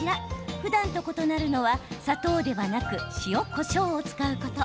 ふだんと異なるのは砂糖ではなく塩、こしょうを使うこと。